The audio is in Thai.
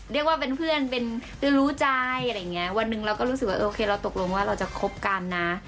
เรียกว่าเป็นเพื่อนเป็นรู้ใจอะไรอย่างเงี้ยวันหนึ่งเราก็รู้สึกว่าโอเคเราตกลงว่าเราจะคบกันนะ